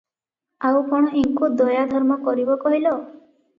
ଆଉ କଣ ଏଙ୍କୁ ଦୟାଧର୍ମ କରିବ କହିଲ?